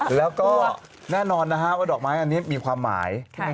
แล้วก็แน่นอนนะฮะว่าดอกไม้อันนี้มีความหมาย